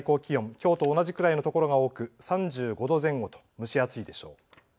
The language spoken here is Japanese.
きょうと同じくらいの所が多く３５度前後と蒸し暑いでしょう。